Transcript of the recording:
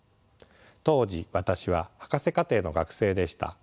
当時私は博士課程の学生でした。